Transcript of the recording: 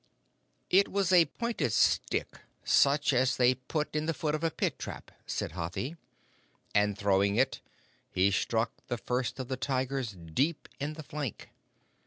"It was a pointed stick, such as they put in the foot of a pit trap," said Hathi, "and throwing it, he struck the First of the Tigers deep in the flank.